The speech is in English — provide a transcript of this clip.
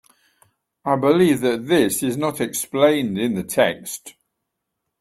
I believe that this is not explained in the text.